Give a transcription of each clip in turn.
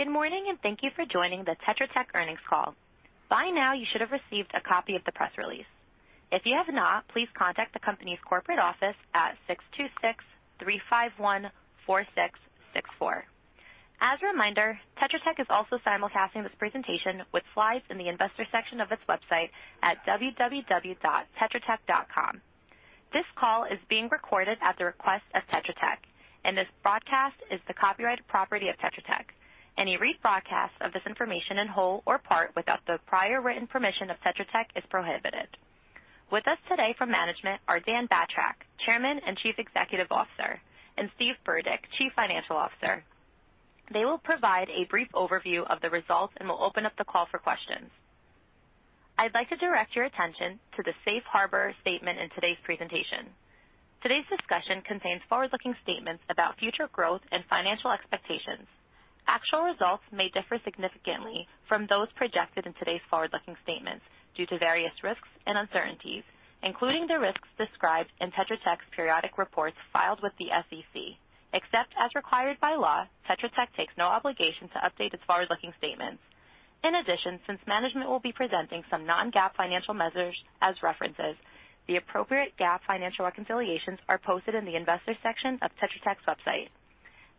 Good morning, and thank you for joining the Tetra Tech earnings call. By now, you should have received a copy of the press release. If you have not, please contact the company's corporate office at 626-351-4664. As a reminder, Tetra Tech is also simulcasting this presentation with slides in the investor section of its website at www.tetratech.com. This call is being recorded at the request of Tetra Tech, and this broadcast is the copyrighted property of Tetra Tech. Any rebroadcast of this information in whole or part without the prior written permission of Tetra Tech is prohibited. With us today from management are Dan Batrack, Chairman and Chief Executive Officer, and Steve Burdick, Chief Financial Officer. They will provide a brief overview of the results and will open up the call for questions. I'd like to direct your attention to the safe harbor statement in today's presentation. Today's discussion contains forward-looking statements about future growth and financial expectations. Actual results may differ significantly from those projected in today's forward-looking statements due to various risks and uncertainties, including the risks described in Tetra Tech's periodic reports filed with the SEC. Except as required by law, Tetra Tech takes no obligation to update its forward-looking statements. In addition, since management will be presenting some non-GAAP financial measures as references, the appropriate GAAP financial reconciliations are posted in the investor section of Tetra Tech's website.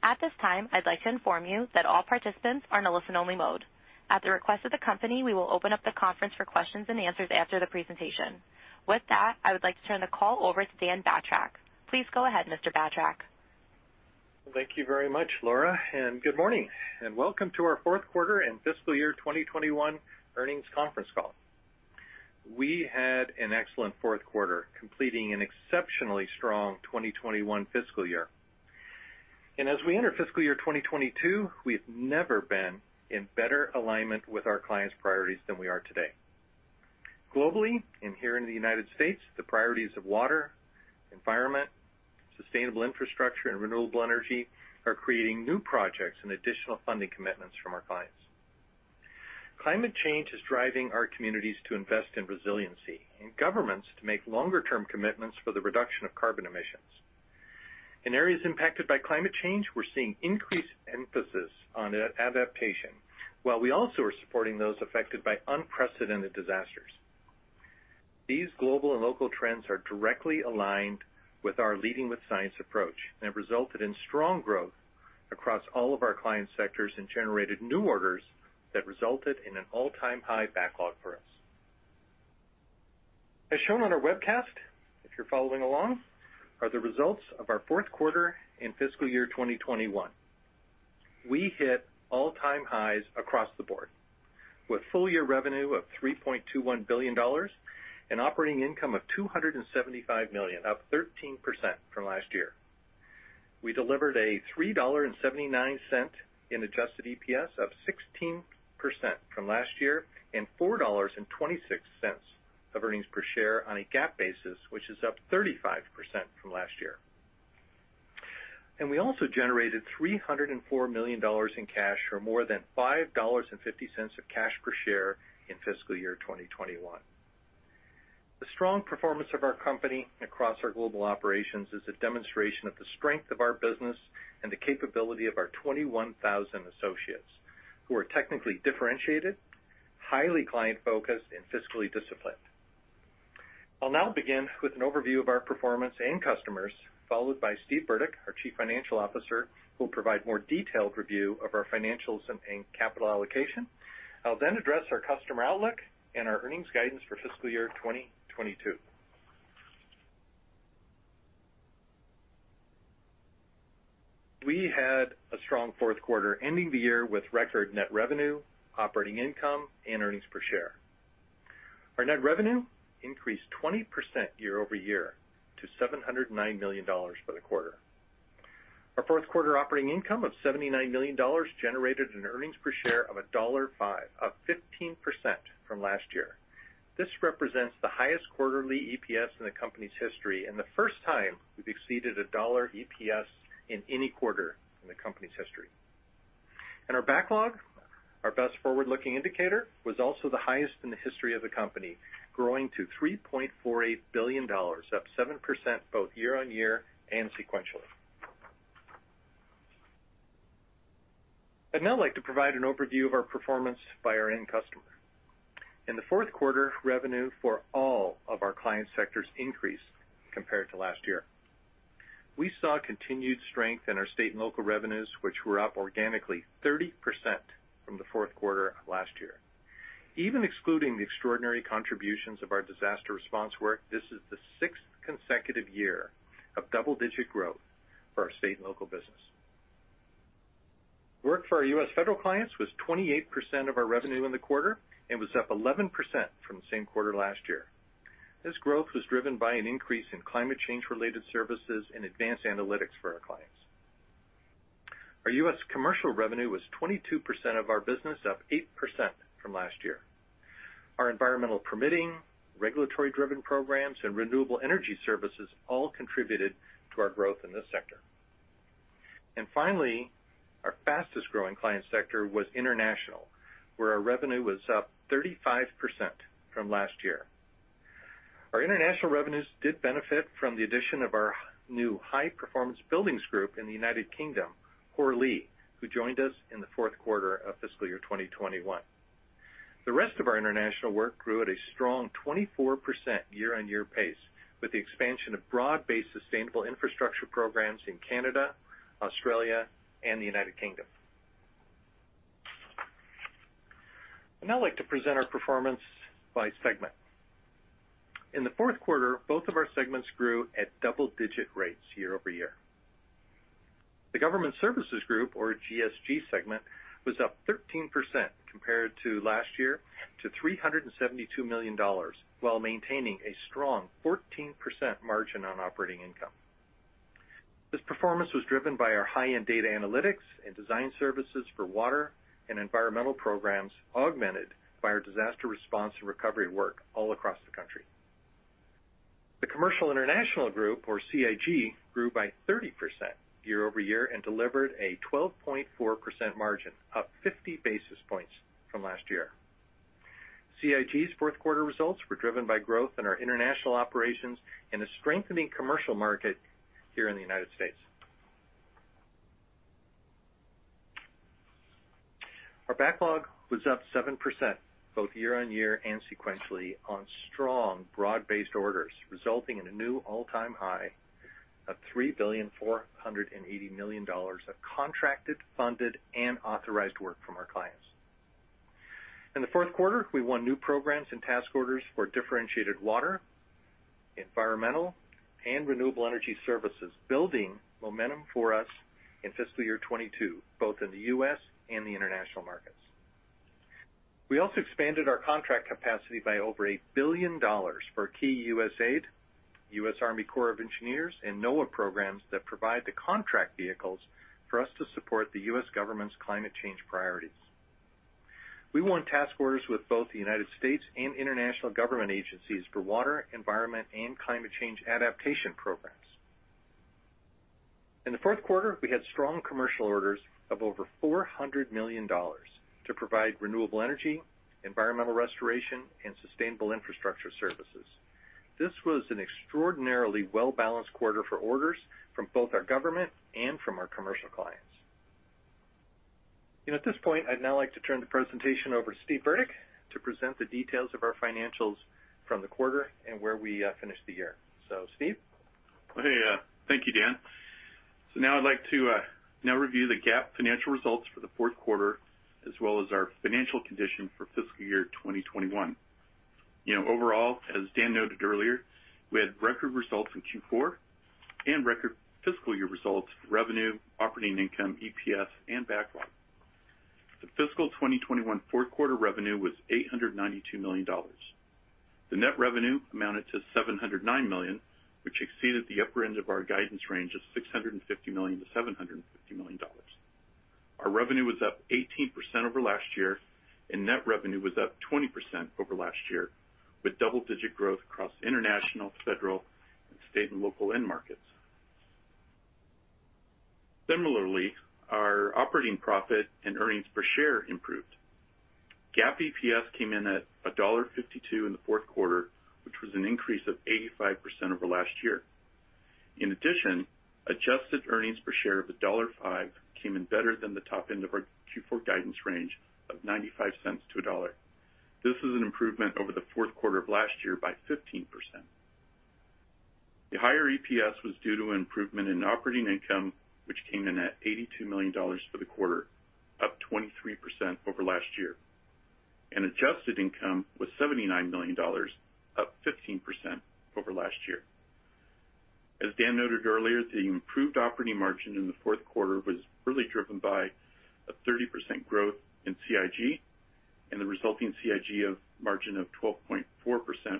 At this time, I'd like to inform you that all participants are in a listen-only mode. At the request of the company, we will open up the conference for questions and answers after the presentation. With that, I would like to turn the call over to Dan Batrack. Please go ahead, Mr. Batrack. Thank you very much, Laura, and good morning, and welcome to our Q4 and fiscal year 2021 earnings conference call. We had an excellent Q4, completing an exceptionally strong 2021 fiscal year. As we enter fiscal year 2022, we've never been in better alignment with our clients' priorities than we are today. Globally and here in the United States, the priorities of water, environment, sustainable infrastructure, and renewable energy are creating new projects and additional funding commitments from our clients. Climate change is driving our communities to invest in resiliency and governments to make longer-term commitments for the reduction of carbon emissions. In areas impacted by climate change, we're seeing increased emphasis on adaptation, while we also are supporting those affected by unprecedented disasters. These global and local trends are directly aligned with our Leading with Science approach and have resulted in strong growth across all of our client sectors and generated new orders that resulted in an all-time high backlog for us. As shown on our webcast, if you're following along, here are the results of our Q4 and fiscal year 2021. We hit all-time highs across the board, with full-year revenue of $3.21 billion and operating income of $275 million, up 13% from last year. We delivered a $3.79 in adjusted EPS, up 16% from last year, and $4.26 of earnings per share on a GAAP basis, which is up 35% from last year. We also generated $304 million in cash, or more than $5.50 of cash per share in fiscal year 2021. The strong performance of our company across our global operations is a demonstration of the strength of our business and the capability of our 21,000 associates, who are technically differentiated, highly client-focused, and fiscally disciplined. I'll now begin with an overview of our performance and customers, followed by Steve Burdick, our Chief Financial Officer, who will provide more detailed review of our financials and capital allocation. I'll then address our customer outlook and our earnings guidance for fiscal year 2022. We had a strong Q4, ending the year with record net revenue, operating income, and earnings per share. Our net revenue increased 20% year-over-year to $709 million for the quarter. Our Q4 operating income of $79 million generated an earnings per share of $1.05, up 15% from last year. This represents the highest quarterly EPS in the company's history and the 1st time we've exceeded a dollar EPS in any quarter in the company's history. Our backlog, our best forward-looking indicator, was also the highest in the history of the company, growing to $3.48 billion, up 7% both year-over-year and sequentially. I'd now like to provide an overview of our performance by our end customer. In the Q4, revenue for all of our client sectors increased compared to last year. We saw continued strength in our state and local revenues, which were up organically 30% from the Q4 of last year. Even excluding the extraordinary contributions of our disaster response work, this is the 6th consecutive year of double-digit growth for our state and local business. Work for our U.S. federal clients was 28% of our revenue in the quarter and was up 11% from the same quarter last year. This growth was driven by an increase in climate change-related services and advanced analytics for our clients. Our U.S. commercial revenue was 22% of our business, up 8% from last year. Our environmental permitting, regulatory-driven programs, and renewable energy services all contributed to our growth in this sector. Finally, our fastest-growing client sector was international, where our revenue was up 35% from last year. Our international revenues did benefit from the addition of our new high performance buildings group in the United Kingdom, Hoare Lea, who joined us in the fourth quarter of fiscal year 2021. The rest of our international work grew at a strong 24% year-over-year pace, with the expansion of broad-based sustainable infrastructure programs in Canada, Australia, and the United Kingdom. I'd now like to present our performance by segment. In the fourth quarter, both of our segments grew at double-digit rates year-over-year. The Government Services Group, or GSG segment, was up 13% compared to last year to $372 million, while maintaining a strong 14% margin on operating income. This performance was driven by our high-end data analytics and design services for water and environmental programs, augmented by our disaster response and recovery work all across the country. The Commercial International Group, or CIG, grew by 30% year-over-year and delivered a 12.4% margin, up 50 basis points from last year. CIG's Q4 results were driven by growth in our international operations and a strengthening commercial market here in the United States. Our backlog was up 7% both year-on-year and sequentially on strong broad-based orders, resulting in a new all-time high of $3.48 billion of contracted, funded, and authorized work from our clients. In the Q4, we won new programs and task orders for differentiated water, environmental, and renewable energy services, building momentum for us in fiscal year 2022, both in the U.S. and the international markets. We also expanded our contract capacity by over $1 billion for key USAID, U.S. Army Corps of Engineers, and NOAA programs that provide the contract vehicles for us to support the U.S. government's climate change priorities. We won task orders with both the United States and international government agencies for water, environment, and climate change adaptation programs. In the Q4, we had strong commercial orders of over $400 million to provide renewable energy, environmental restoration, and sustainable infrastructure services. This was an extraordinarily well-balanced quarter for orders from both our government and from our commercial clients. At this point, I'd now like to turn the presentation over to Steve Burdick to present the details of our financials from the quarter and where we finished the year. Steve? Hey, thank you, Dan. Now I'd like to review the GAAP financial results for the Q4 as well as our financial condition for fiscal year 2021. You know, overall, as Dan noted earlier, we had record results in Q4 and record fiscal year results for revenue, operating income, EPS, and backlog. The fiscal 2021 Q4 revenue was $892 million. The net revenue amounted to $709 million, which exceeded the upper end of our guidance range of $650 million-$750 million. Our revenue was up 18% over last year, and net revenue was up 20% over last year, with double-digit growth across international, federal, and state and local end markets. Similarly, our operating profit and earnings per share improved. GAAP EPS came in at $1.52 in the Q4, which was an increase of 85% over last year. In addition, adjusted earnings per share of $1.05 came in better than the top end of our Q4 guidance range of $0.95 to $1.00. This is an improvement over the Q4 of last year by 15%. The higher EPS was due to an improvement in operating income, which came in at $82 million for the quarter, up 23% over last year. Adjusted income was $79 million, up 15% over last year. As Dan noted earlier, the improved operating margin in the Q4 was really driven by a 30% growth in CIG, and the resulting CIG margin of 12.4%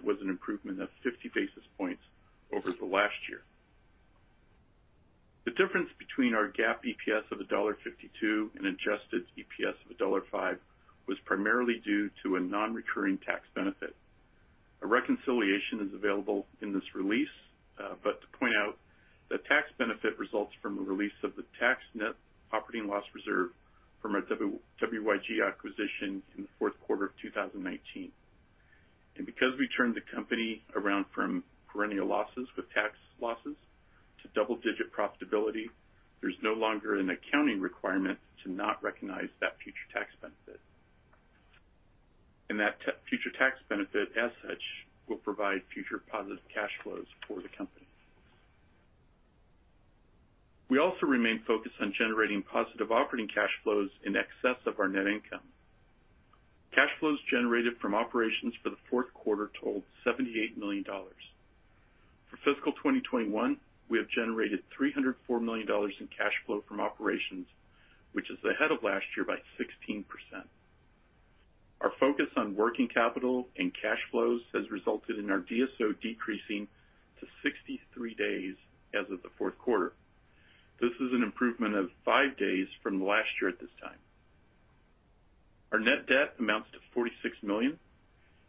was an improvement of 50 basis points over the last year. The difference between our GAAP EPS of $1.52 and adjusted EPS of $1.05 was primarily due to a non-recurring tax benefit. A reconciliation is available in this release, but to point out, the tax benefit results from a release of the tax net operating loss reserve from our WYG acquisition in the fourth quarter of 2019. Because we turned the company around from perennial losses with tax losses to double-digit profitability, there's no longer an accounting requirement to not recognize that future tax benefit. That future tax benefit, as such, will provide future positive cash flows for the company. We also remain focused on generating positive operating cash flows in excess of our net income. Cash flows generated from operations for the fourth quarter totaled $78 million. For fiscal 2021, we have generated $304 million in cash flow from operations, which is ahead of last year by 16%. Our focus on working capital and cash flows has resulted in our DSO decreasing to 63 days as of the Q4. This is an improvement of five days from last year at this time. Our net debt amounts to $46 million,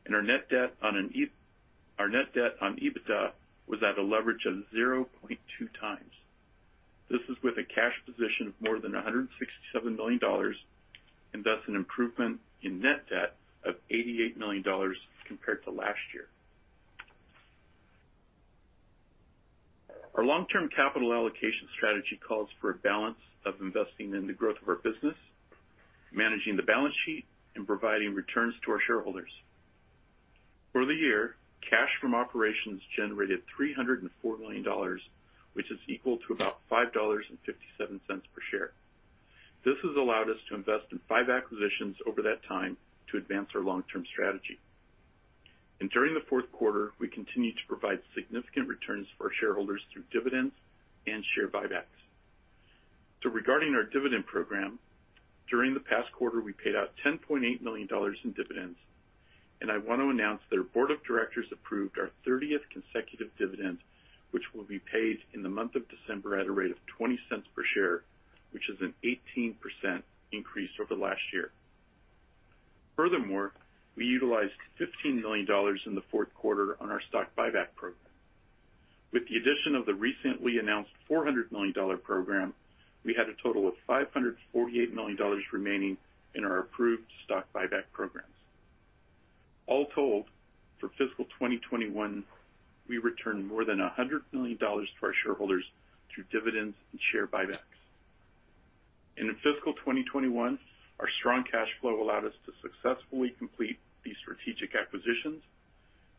and our net debt on EBITDA was at a leverage of 0.2 times. This is with a cash position of more than $167 million, and thus an improvement in net debt of $88 million compared to last year. Our long-term capital allocation strategy calls for a balance of investing in the growth of our business, managing the balance sheet, and providing returns to our shareholders. For the year, cash from operations generated $304 million, which is equal to about $5.57 per share. This has allowed us to invest in 5 acquisitions over that time to advance our long-term strategy. During the fourth quarter, we continued to provide significant returns for our shareholders through dividends and share buybacks. Regarding our dividend program, during the past quarter, we paid out $10.8 million in dividends, and I want to announce that our board of directors approved our 30th consecutive dividend, which will be paid in the month of December at a rate of $0.20 per share, which is an 18% increase over last year. Furthermore, we utilized $15 million in the fourth quarter on our stock buyback program. With the addition of the recently announced $400 million program, we had a total of $548 million remaining in our approved stock buyback programs. All told, for fiscal 2021, we returned more than $100 million to our shareholders through dividends and share buybacks. In fiscal 2021, our strong cash flow allowed us to successfully complete these strategic acquisitions,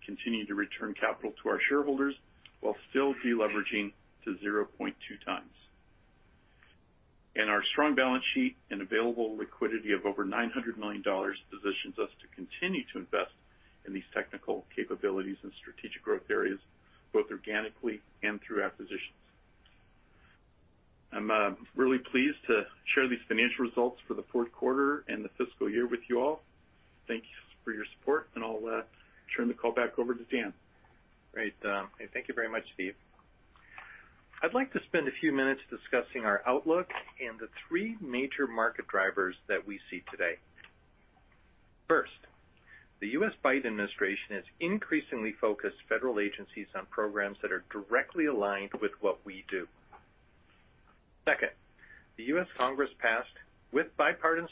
continue to return capital to our shareholders while still de-leveraging to 0.2 times. Our strong balance sheet and available liquidity of over $900 million positions us to continue to invest in these technical capabilities and strategic growth areas, both organically and through acquisitions. I'm really pleased to share these financial results for the fourth quarter and the fiscal year with you all. Thank you for your support, and I'll turn the call back over to Dan. Great. Thank you very much, Steve. I'd like to spend a few minutes discussing our outlook and the three major market drivers that we see today. 1st, the U.S. Biden administration has increasingly focused federal agencies on programs that are directly aligned with what we do. 2nd, the U.S. Congress passed, with bipartisan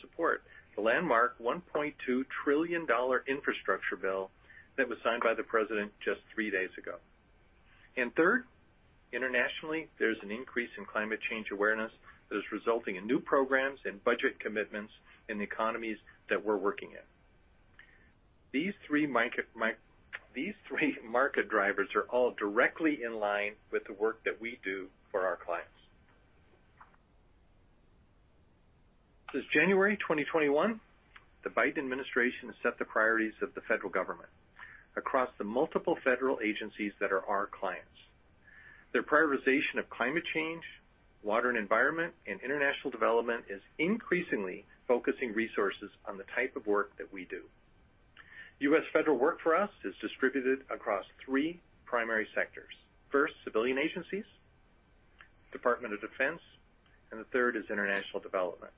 support, the landmark $1.2 trillion infrastructure bill that was signed by the President just three days ago. Third, internationally, there's an increase in climate change awareness that is resulting in new programs and budget commitments in the economies that we're working in. These 3 market drivers are all directly in line with the work that we do for our clients. Since January 2021, the Biden administration has set the priorities of the federal government across the multiple federal agencies that are our clients. Their prioritization of climate change, water and environment, and international development is increasingly focusing resources on the type of work that we do. U.S. federal work for us is distributed across three primary sectors. 1st, civilian agencies, Department of Defense, and the third is international development.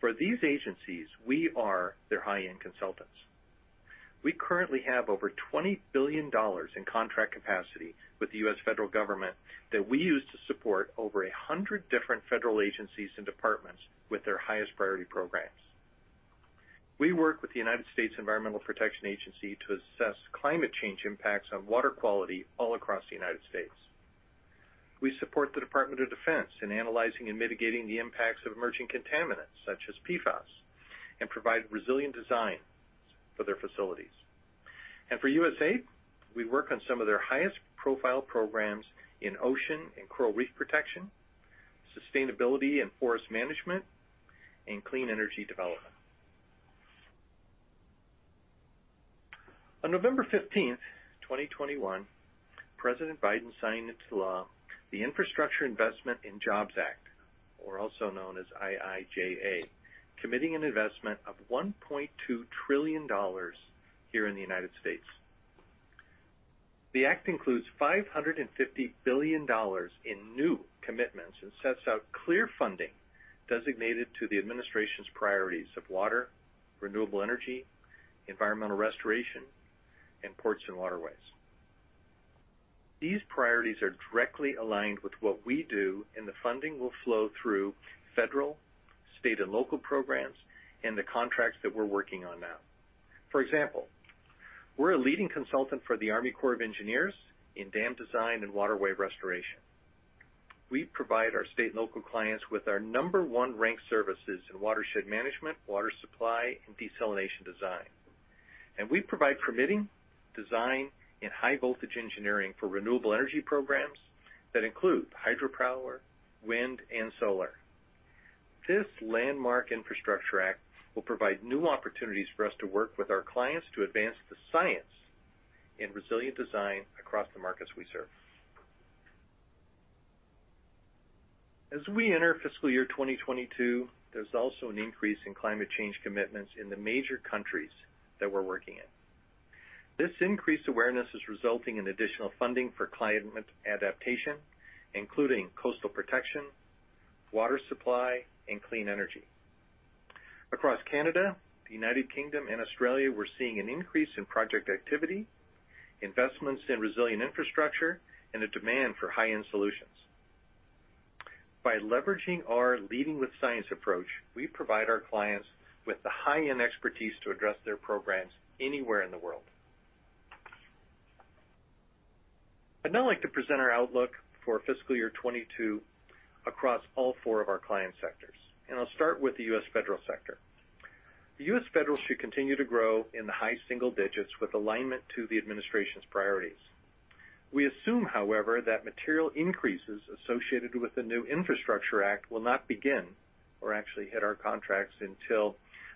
For these agencies, we are their high-end consultants. We currently have over $20 billion in contract capacity with the U.S. federal government that we use to support over 100 different federal agencies and departments with their highest priority programs. We work with the United States Environmental Protection Agency to assess climate change impacts on water quality all across the United States. We support the Department of Defense in analyzing and mitigating the impacts of emerging contaminants such as PFAS and provide resilient designs for their facilities. For USAID, we work on some of their highest profile programs in ocean and coral reef protection, sustainability and forest management, and clean energy development. On November 15th, 2021, President Biden signed into law the Infrastructure Investment and Jobs Act, or also known as IIJA, committing an investment of $1.2 trillion here in the United States. The act includes $550 billion in new commitments and sets out clear funding designated to the administration's priorities of water, renewable energy, environmental restoration, and ports and waterways. These priorities are directly aligned with what we do, and the funding will flow through federal, state, and local programs and the contracts that we're working on now. For example, we're a leading consultant for the Army Corps of Engineers in dam design and waterway restoration. We provide our state and local clients with our number 1 ranked services in watershed management, water supply, and desalination design. We provide permitting, design, and high voltage engineering for renewable energy programs that include hydropower, wind, and solar. This landmark Infrastructure Act will provide new opportunities for us to work with our clients to advance the science in resilient design across the markets we serve. As we enter fiscal year 2022, there's also an increase in climate change commitments in the major countries that we're working in. This increased awareness is resulting in additional funding for climate adaptation, including coastal protection, water supply, and clean energy. Across Canada, the United Kingdom and Australia, we're seeing an increase in project activity, investments in resilient infrastructure, and a demand for high-end solutions. By leveraging our Leading with Science approach, we provide our clients with the high-end expertise to address their programs anywhere in the world. I'd now like to present our outlook for fiscal year 2022 across all four of our client sectors, and I'll start with the U.S. Federal sector. The U.S. Federal should continue to grow in the high single digits with alignment to the administration's priorities. We assume, however, that material increases associated with the new Infrastructure Act will not begin or actually hit our contracts until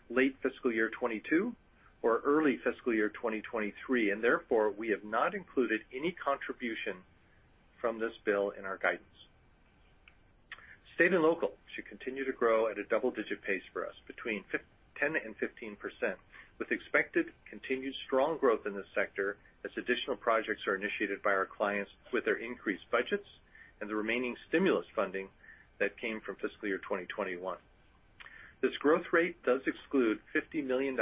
late fiscal year 2022 or early fiscal year 2023, and therefore, we have not included any contribution from this bill in our guidance. State and local should continue to grow at a double-digit pace for us between 10 and 15%, with expected continued strong growth in this sector as additional projects are initiated by our clients with their increased budgets and the remaining stimulus funding that came from fiscal year 2021. This growth rate does exclude $50 million in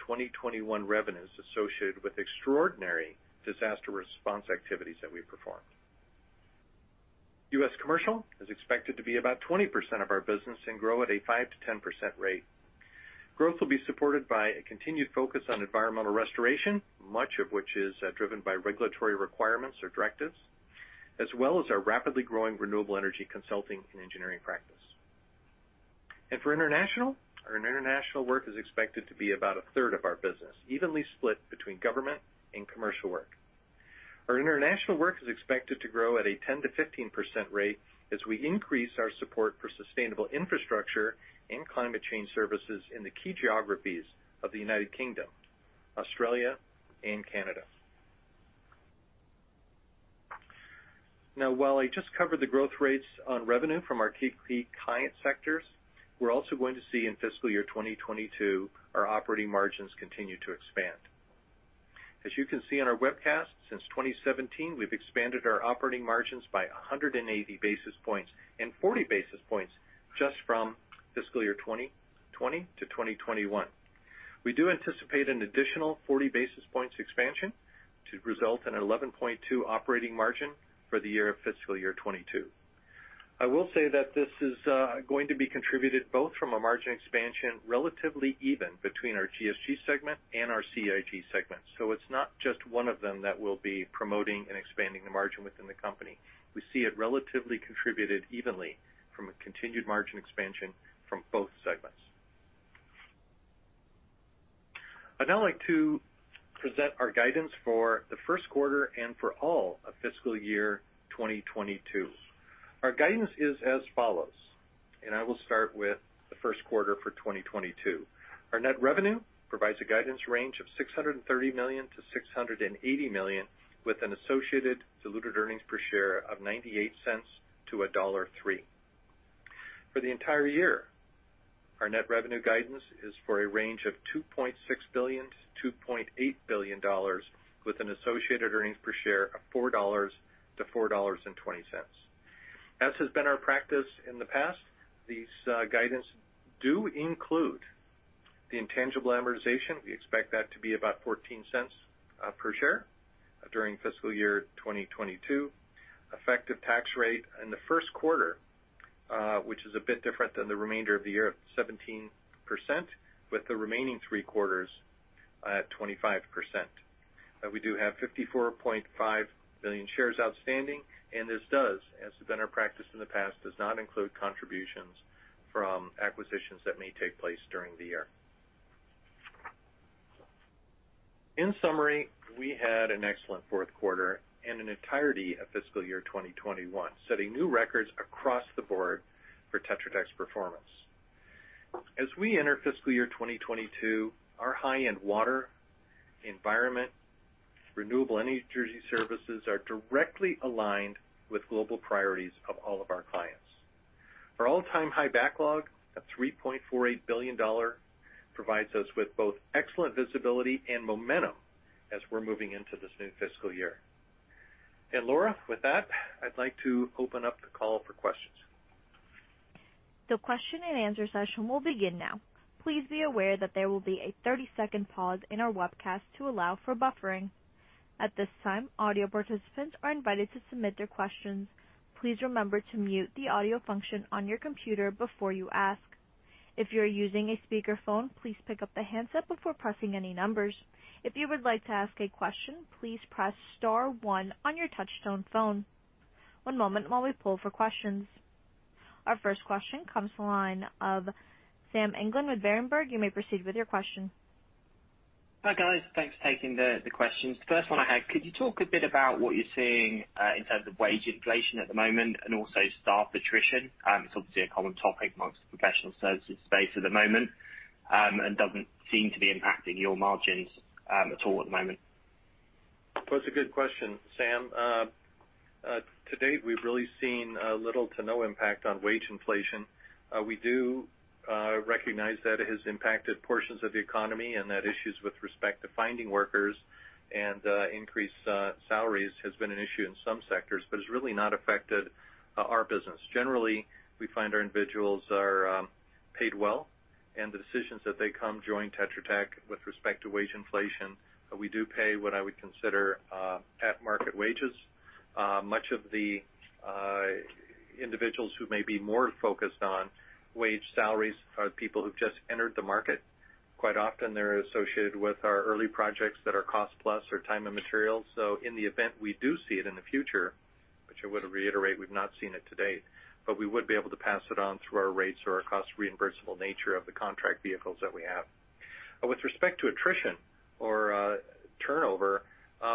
2021 revenues associated with extraordinary disaster response activities that we performed. US Commercial is expected to be about 20% of our business and grow at a 5%-10% rate. Growth will be supported by a continued focus on environmental restoration, much of which is driven by regulatory requirements or directives, as well as our rapidly growing renewable energy consulting and engineering practice. For international, our international work is expected to be about a third of our business, evenly split between government and commercial work. Our international work is expected to grow at a 10% o15% rate as we increase our support for sustainable infrastructure and climate change services in the key geographies of the United Kingdom, Australia, and Canada. Now, while I just covered the growth rates on revenue from our key client sectors, we're also going to see in fiscal year 2022 our operating margins continue to expand. As you can see on our webcast, since 2017, we've expanded our operating margins by 180 basis points and 40 basis points just from fiscal year 2020 to 2021. We do anticipate an additional 40 basis points expansion to result in 11.2% operating margin for the year of fiscal year 2022. I will say that this is going to be contributed both from a margin expansion relatively even between our GSG segment and our CIG segment. It's not just one of them that will be promoting and expanding the margin within the company. We see it relatively contributed evenly from a continued margin expansion from both segments. I'd now like to present our guidance for the first quarter and for all of fiscal year 2022. Our guidance is as follows, and I will start with the first quarter for 2022. Our net revenue provides a guidance range of $630 million-$680 million, with an associated diluted earnings per share of $0.98-$1.03. For the entire year, our net revenue guidance is for a range of $2.6 billion-$2.8 billion, with an associated earnings per share of $4-$4.20. As has been our practice in the past, these guidance do include the intangible amortization. We expect that to be about $0.14 per share during fiscal year 2022. Effective tax rate in the first quarter, which is a bit different than the remainder of the year, 17%, with the remaining three quarters at 25%. We do have 54.5 million shares outstanding, and this, as has been our practice in the past, does not include contributions from acquisitions that may take place during the year. In summary, we had an excellent fourth quarter and an entirety of fiscal year 2021, setting new records across the board for Tetra Tech's performance. As we enter fiscal year 2022, our high-end water, environment, renewable energy services are directly aligned with global priorities of all of our clients. Our all-time high backlog of $3.48 billion provides us with both excellent visibility and momentum as we're moving into this new fiscal year. Laura, with that, I'd like to open up the call for questions. The question and answer session will begin now. Please be aware that there will be a 30-second pause in our webcast to allow for buffering. At this time, audio participants are invited to submit their questions. Please remember to mute the audio function on your computer before you ask. If you're using a speakerphone, please pick up the handset before pressing any numbers. If you would like to ask a question, please press star one on your touchtone phone. One moment while we poll for questions. Our first question comes from the line of Sam England with Berenberg. You may proceed with your question. Well, it's a good question, Sam. To date, we've really seen little to no impact on wage inflation. We do recognize that it has impacted portions of the economy and that issues with respect to finding workers and increased salaries has been an issue in some sectors, but it's really not affected our business. Generally, we find our individuals are paid well and the decisions that they come join Tetra Tech with respect to wage inflation, we do pay what I would consider at market wages. Much of the individuals who may be more focused on wage salaries are people who've just entered the market. Quite often, they're associated with our early projects that are cost plus or time and materials. In the event we do see it in the future, which I would reiterate, we've not seen it to date, but we would be able to pass it on through our rates or our cost reimbursable nature of the contract vehicles that we have. With respect to attrition or turnover,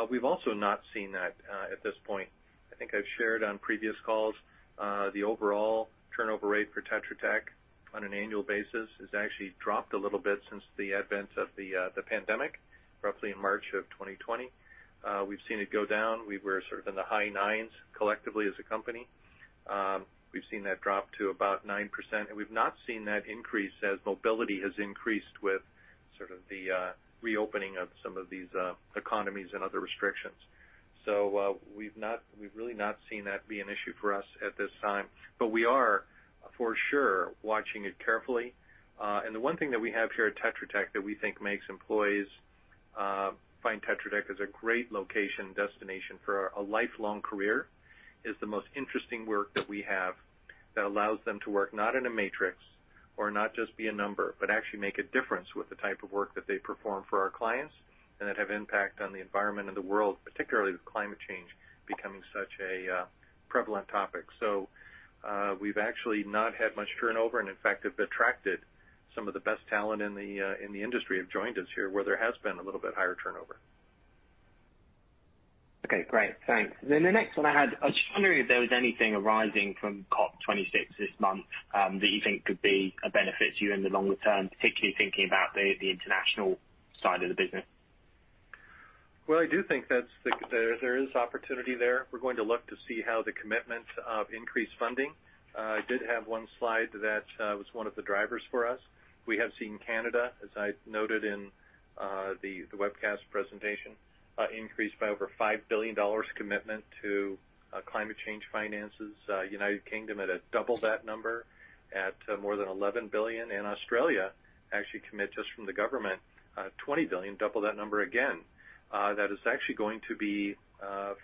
we've also not seen that at this point. I think I've shared on previous calls, the overall turnover rate for Tetra Tech on an annual basis has actually dropped a little bit since the advent of the pandemic, roughly in March of 2020. We've seen it go down. We were sort of in the high nines collectively as a company. We've seen that drop to about 9%, and we've not seen that increase as mobility has increased with sort of the reopening of some of these economies and other restrictions. We've really not seen that be an issue for us at this time. We are for sure watching it carefully. The one thing that we have here at Tetra Tech that we think makes employees find Tetra Tech as a great location destination for a lifelong career is the most interesting work that we have that allows them to work not in a matrix or not just be a number, but actually make a difference with the type of work that they perform for our clients and that have impact on the environment and the world, particularly with climate change becoming such a prevalent topic. We've actually not had much turnover, and in fact, have attracted some of the best talent in the industry have joined us here, where there has been a little bit higher turnover. Okay, great. Thanks. The next one I had, I was just wondering if there was anything arising from COP26 this month, that you think could be of benefit to you in the longer term, particularly thinking about the international side of the business. Well, I do think there is opportunity there. We're going to look to see how the commitment of increased funding. I did have one slide that was one of the drivers for us. We have seen Canada, as I noted in the webcast presentation, increase by over $5 billion commitment to climate change finances. United Kingdom at double that number at more than $11 billion. Australia actually commit just from the government $20 billion, double that number again. That is actually going to be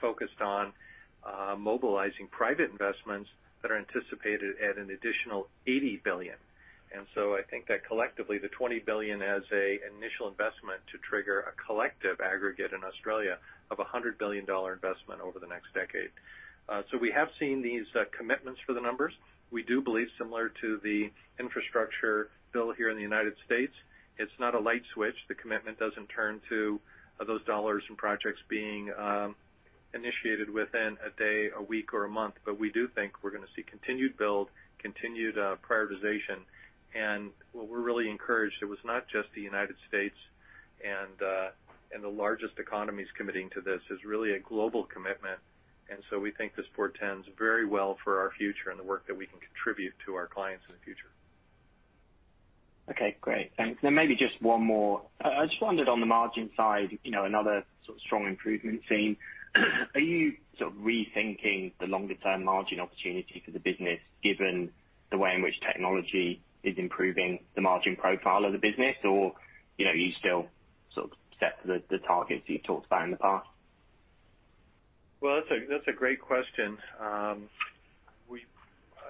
focused on mobilizing private investments that are anticipated at an additional $80 billion. I think that collectively, the $20 billion as an initial investment to trigger a collective aggregate in Australia of a $100 billion investment over the next decade. We have seen these commitments for the numbers. We do believe similar to the infrastructure bill here in the United States, it's not a light switch. The commitment doesn't turn to those dollars and projects being initiated within a day, a week, or a month. We do think we're going to see continued build, prioritization. What we're really encouraged, it was not just the United States and the largest economies committing to this. It's really a global commitment. We think this portends very well for our future and the work that we can contribute to our clients in the future. Okay, great. Thanks. Maybe just one more. I just wondered on the margin side, you know, another sort of strong improvement seen, are you sort of rethinking the longer term margin opportunity for the business given the way in which technology is improving the margin profile of the business? Or, you know, are you still sort of set for the targets you talked about in the past? Well, that's a great question.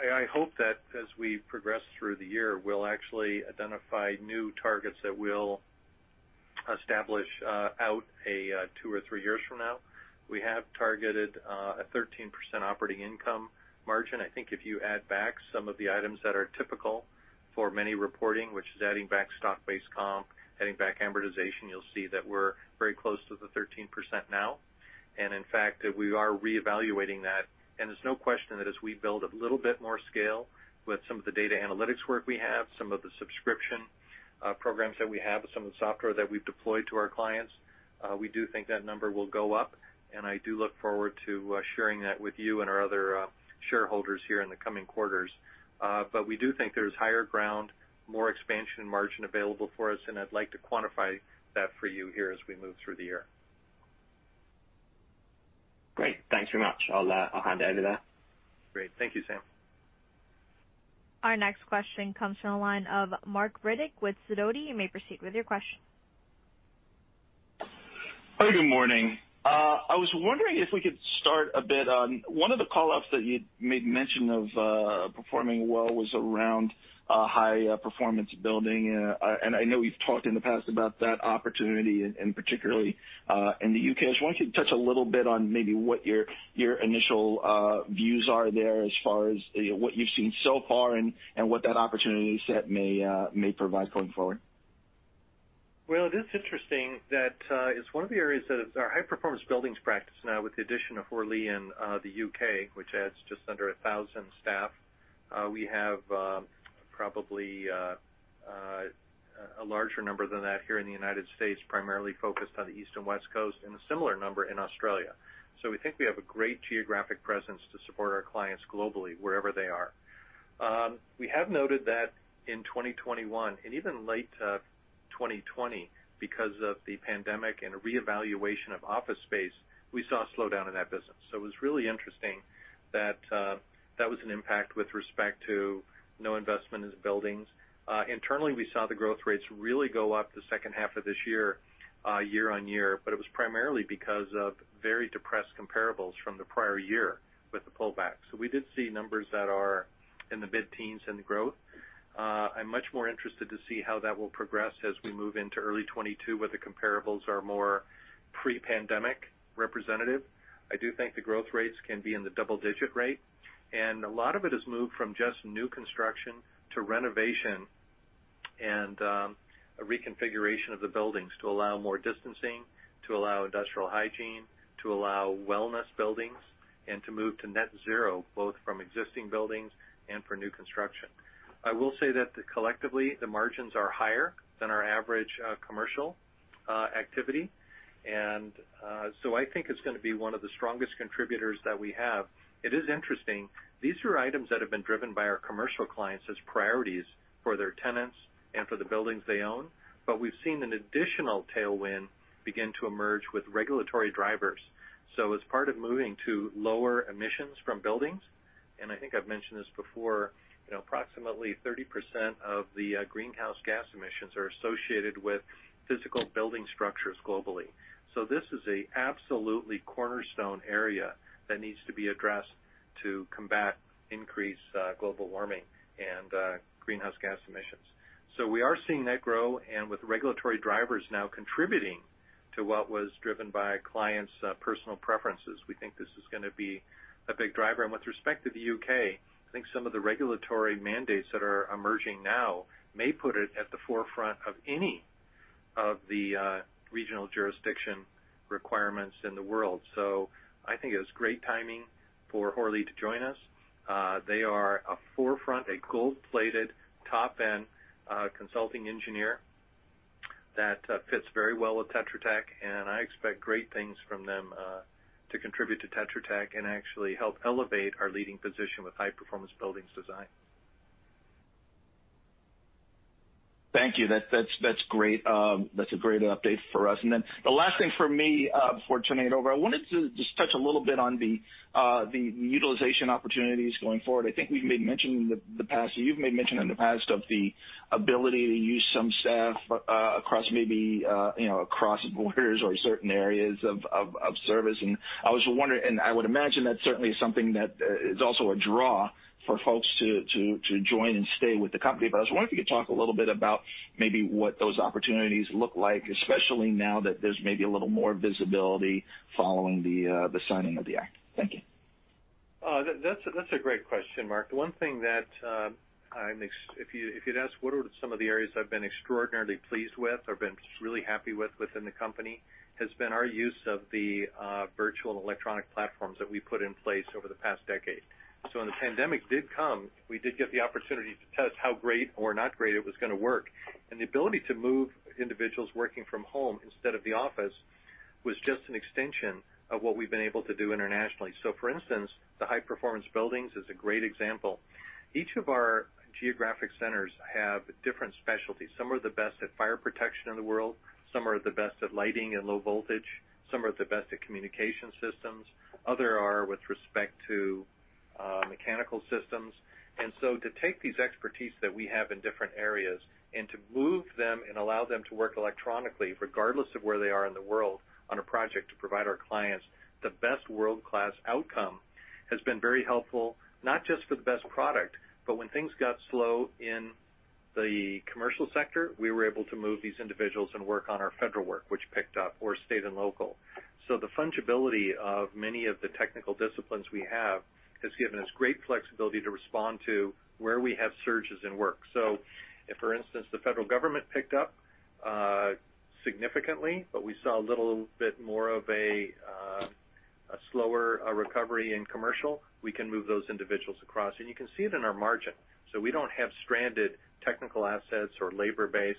I hope that as we progress through the year, we'll actually identify new targets that we'll establish out 2 or 3 years from now. We have targeted a 13% operating income margin. I think if you add back some of the items that are typical for many reporting, which is adding back stock-based comp, adding back amortization, you'll see that we're very close to the 13% now. In fact, we are reevaluating that. There's no question that as we build a little bit more scale with some of the data analytics work we have, some of the subscription programs that we have, some of the software that we've deployed to our clients, we do think that number will go up, and I do look forward to sharing that with you and our other shareholders here in the coming quarters. We do think there's higher ground, more expansion margin available for us, and I'd like to quantify that for you here as we move through the year. Great. Thanks very much. I'll hand it over there. Great. Thank you, Sam. Our next question comes from the line of Marc Riddick with Sidoti. You may proceed with your question. Hi, good morning. I was wondering if we could start a bit on one of the call-outs that you'd made mention of, performing well was around high performance building. And I know we've talked in the past about that opportunity and particularly in the U.K. I just want you to touch a little bit on maybe what your initial views are there as far as, you know, what you've seen so far and what that opportunity set may provide going forward. Well, it is interesting that it is one of the areas that is our high performance buildings practice now with the addition of Hoare Lea in the U.K., which adds just under 1,000 staff. We have probably a larger number than that here in the United States, primarily focused on the East and West Coast and a similar number in Australia. We think we have a great geographic presence to support our clients globally wherever they are. We have noted that in 2021 and even late 2020, because of the pandemic and a reevaluation of office space, we saw a slowdown in that business. It was really interesting that that was an impact with respect to no investment in buildings. Internally, we saw the growth rates really go up the H2 of this year on year, but it was primarily because of very depressed comparables from the prior year with the pullback. We did see numbers that are in the mid-teens% in the growth. I'm much more interested to see how that will progress as we move into early 2022, where the comparables are more pre-pandemic representative. I do think the growth rates can be in the double-digit%. A lot of it has moved from just new construction to renovation and a reconfiguration of the buildings to allow more distancing, to allow industrial hygiene, to allow wellness buildings, and to move to net zero, both from existing buildings and for new construction. I will say that collectively, the margins are higher than our average commercial activity. I think it's going to be one of the strongest contributors that we have. It is interesting. These are items that have been driven by our commercial clients as priorities for their tenants and for the buildings they own. But we've seen an additional tailwind begin to emerge with regulatory drivers. As part of moving to lower emissions from buildings, and I think I've mentioned this before, you know, approximately 30% of the greenhouse gas emissions are associated with physical building structures globally. This is a absolutely cornerstone area that needs to be addressed to combat increased global warming and greenhouse gas emissions. We are seeing that grow, and with regulatory drivers now contributing to what was driven by clients' personal preferences, we think this is going to be a big driver. With respect to the U.K., I think some of the regulatory mandates that are emerging now may put it at the forefront of any of the regional jurisdiction requirements in the world. I think it was great timing for Hoare Lea to join us. They are a forefront, a gold-plated, top-end consulting engineer that fits very well with Tetra Tech, and I expect great things from them to contribute to Tetra Tech and actually help elevate our leading position with high-performance buildings design. Thank you. That's great. That's a great update for us. Then the last thing for me, before turning it over, I wanted to just touch a little bit on the utilization opportunities going forward. I think we've made mention in the past, or you've made mention in the past of the ability to use some staff across maybe, you know, across borders or certain areas of service. I was wondering, and I would imagine that's certainly something that is also a draw for folks to join and stay with the company. I was wondering if you could talk a little bit about maybe what those opportunities look like, especially now that there's maybe a little more visibility following the signing of the act. Thank you. That's a great question, Mark. One thing that if you'd ask what are some of the areas I've been extraordinarily pleased with or been just really happy with within the company has been our use of the virtual and electronic platforms that we put in place over the past decade. When the pandemic did come, we did get the opportunity to test how great or not great it was going to work. The ability to move individuals working from home instead of the office was just an extension of what we've been able to do internationally. For instance, the high-performance buildings is a great example. Each of our geographic centers have different specialties. Some are the best at fire protection in the world. Some are the best at lighting and low voltage. Some are the best at communication systems. Others are with respect to mechanical systems. To take these expertise that we have in different areas and to move them and allow them to work electronically, regardless of where they are in the world, on a project to provide our clients the best world-class outcome, has been very helpful, not just for the best product, but when things got slow in the commercial sector, we were able to move these individuals and work on our federal work, which picked up, or state and local. The fungibility of many of the technical disciplines we have has given us great flexibility to respond to where we have surges in work. If, for instance, the federal government picked up significantly, but we saw a little bit more of a slower recovery in commercial, we can move those individuals across. You can see it in our margin. We don't have stranded technical assets or labor base.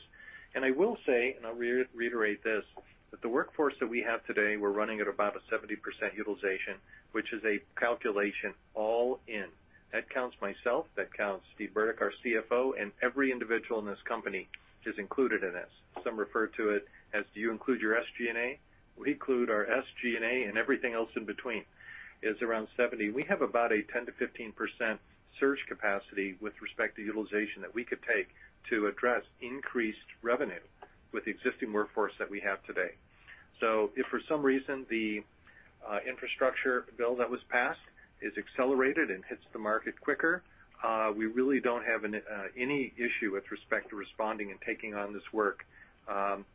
I will say, and I'll reiterate this, that the workforce that we have today, we're running at about a 70% utilization, which is a calculation all in. That counts myself, that counts Steve Burdick, our CFO, and every individual in this company is included in this. Some refer to it as, do you include your SG&A? We include our SG&A and everything else in between is around 70. We have about a 10% to 15% surge capacity with respect to utilization that we could take to address increased revenue with the existing workforce that we have today. If for some reason the infrastructure bill that was passed is accelerated and hits the market quicker, we really don't have any issue with respect to responding and taking on this work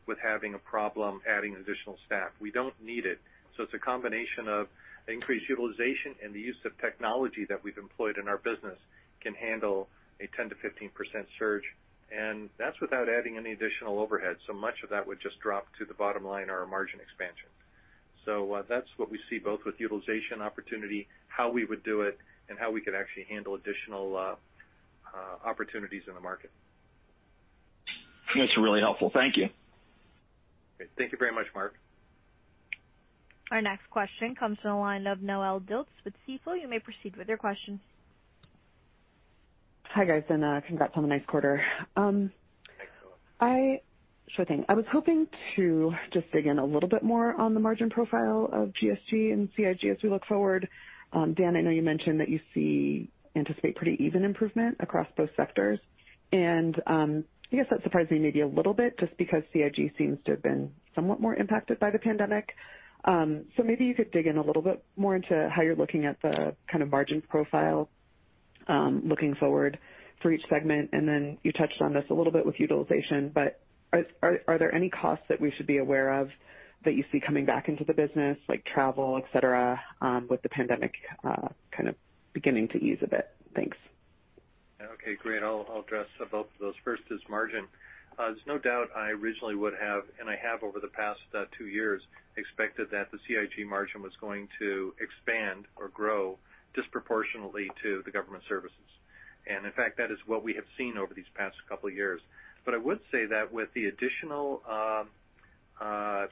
with having a problem adding additional staff. We don't need it. It's a combination of increased utilization and the use of technology that we've employed in our business can handle a 10% to 15% surge. That's without adding any additional overhead, so much of that would just drop to the bottom line or our margin expansion. That's what we see both with utilization opportunity, how we would do it, and how we could actually handle additional opportunities in the market. That's really helpful. Thank you. Great. Thank you very much, Marc. Our next question comes from the line of Noelle Dilts with Stifel. You may proceed with your question. Hi, guys, and congrats on a nice quarter. Thanks. Sure thing. I was hoping to just dig in a little bit more on the margin profile of GSG and CIG as we look forward. Dan, I know you mentioned that you anticipate pretty even improvement across both sectors. I guess that surprised me maybe a little bit just because CIG seems to have been somewhat more impacted by the pandemic. Maybe you could dig in a little bit more into how you're looking at the kind of margins profile looking forward for each segment. You touched on this a little bit with utilization, but are there any costs that we should be aware of that you see coming back into the business like travel, et cetera, with the pandemic kind of beginning to ease a bit? Thanks. Okay, great. I'll address both of those. 1st is margin. There's no doubt I originally would have, and I have over the past 2 years expected that the CIG margin was going to expand or grow disproportionately to the Government Services. In fact, that is what we have seen over these past couple years. I would say that with the additional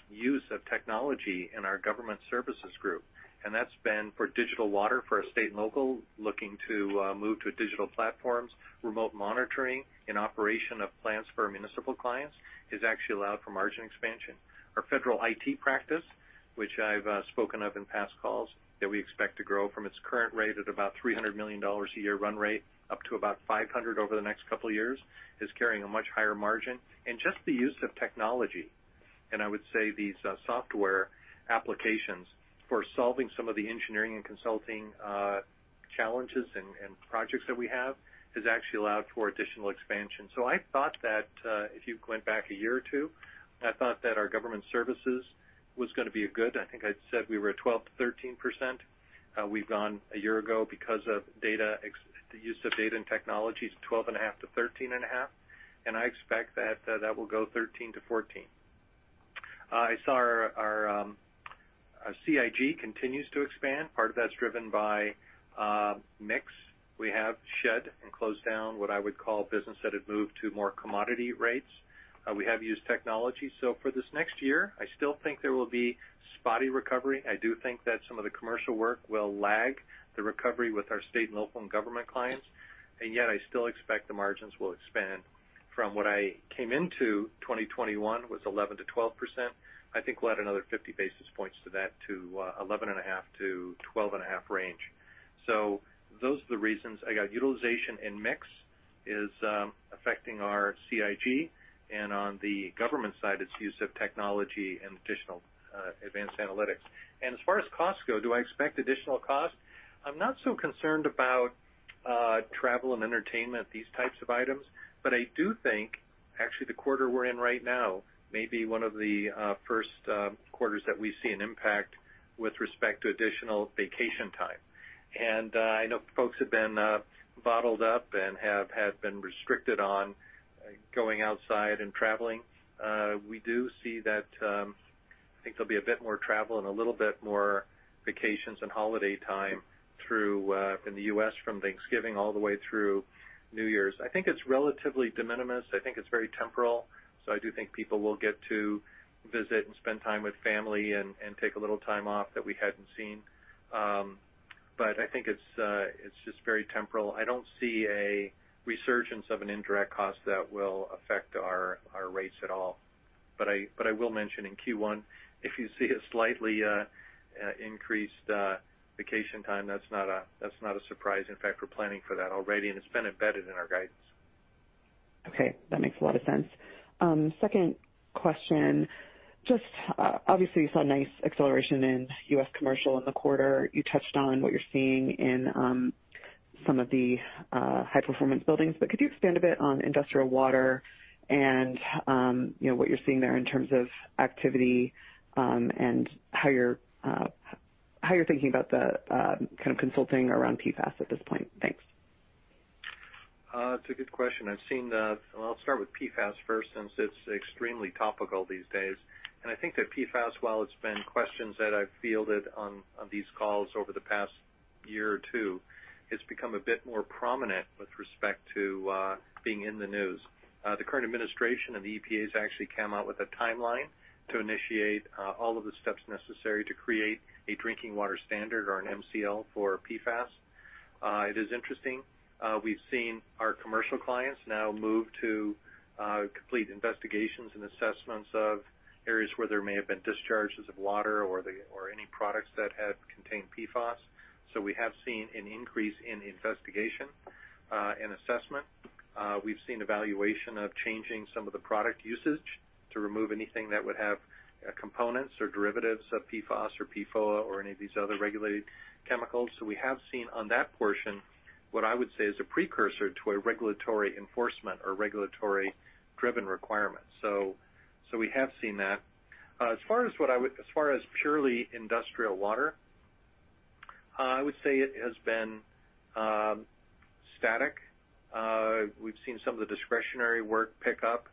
use of technology in our Government Services Group, and that's been for digital water for a state and local looking to move to digital platforms. Remote monitoring and operation of plants for our municipal clients has actually allowed for margin expansion. Our federal IT practice, which I've spoken of in past calls, that we expect to grow from its current rate at about $300 million a year run rate up to about $500 million over the next couple of years, is carrying a much higher margin. Just the use of technology, and I would say these software applications for solving some of the engineering and consulting challenges and projects that we have, has actually allowed for additional expansion. I thought that if you went back a year or 2, I thought that our government services was going to be good. I think I'd said we were at 12% to 13%. We've grown a year ago because of the use of data and technologies, 12.5% to 13.5%. I expect that will go 13% to 14%. I see our CIG continues to expand. Part of that's driven by mix. We have shed and closed down what I would call business that had moved to more commodity rates. We have used technology. For this next year, I still think there will be spotty recovery. I do think that some of the commercial work will lag the recovery with our state and local and government clients. Yet I still expect the margins will expand from what I came into 2021 was 11% to 12%. I think we'll add another 50 basis points to that to 11.5% to 12.5% range. Those are the reasons I got utilization and mix is affecting our CIG. On the government side, it's use of technology and additional advanced analytics. As far as costs go, do I expect additional costs? I'm not so concerned about travel and entertainment, these types of items. I do think actually the quarter we're in right now may be one of the Q1 that we see an impact with respect to additional vacation time. I know folks have been bottled up and have been restricted on going outside and traveling. We do see that. I think there'll be a bit more travel and a little bit more vacations and holiday time through in the US from Thanksgiving all the way through New Year's. I think it's relatively de minimis. I think it's very temporal, so I do think people will get to visit and spend time with family and take a little time off that we hadn't seen. But I think it's just very temporal. I don't see a resurgence of an indirect cost that will affect our rates at all. But I will mention in Q1, if you see a slightly increased vacation time, that's not a surprise. In fact, we're planning for that already, and it's been embedded in our guidance. Okay, that makes a lot of sense. 2nd question. Just, obviously, you saw nice acceleration in U.S. commercial in the quarter. You touched on what you're seeing in, some of the, high-performance buildings. Could you expand a bit on industrial water and, you know, what you're seeing there in terms of activity, and how you're thinking about the, kind of consulting around PFAS at this point? Thanks. It's a good question. I've seen and I'll start with PFAS first, since it's extremely topical these days. I think that PFAS, while it's been questions that I've fielded on these calls over the past year or 2, it's become a bit more prominent with respect to being in the news. The current administration and the EPA has actually come out with a timeline to initiate all of the steps necessary to create a drinking water standard or an MCL for PFAS. It is interesting. We've seen our commercial clients now move to complete investigations and assessments of areas where there may have been discharges of water or any products that have contained PFAS. We have seen an increase in investigation and assessment. We've seen evaluation of changing some of the product usage to remove anything that would have components or derivatives of PFAS or PFOA or any of these other regulated chemicals. We have seen on that portion what I would say is a precursor to a regulatory enforcement or regulatory driven requirement. We have seen that. As far as purely industrial water, I would say it has been static. We've seen some of the discretionary work pick up,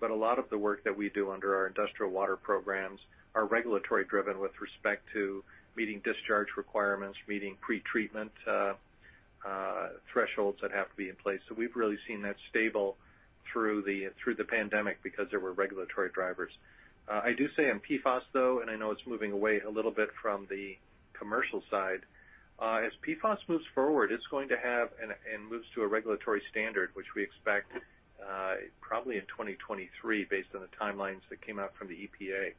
but a lot of the work that we do under our industrial water programs are regulatory driven with respect to meeting discharge requirements, meeting pretreatment thresholds that have to be in place. We've really seen that stable through the pandemic because there were regulatory drivers. I do say on PFAS, though, and I know it's moving away a little bit from the commercial side. As PFAS moves forward and moves to a regulatory standard, which we expect probably in 2023 based on the timelines that came out from the EPA,